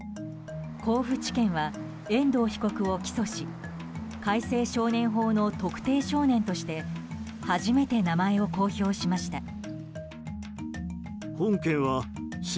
甲府地検は遠藤被告を起訴し改正少年法の特定少年として初めて名前を公表しました。